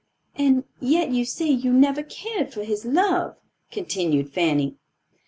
"And yet you say you never cared for his love," continued Fanny.